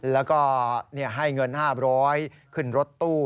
แล้วก็ให้เงิน๕๐๐ขึ้นรถตู้